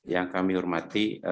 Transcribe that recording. yang kami hormati